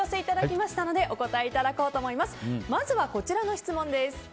まずはこちらの質問です。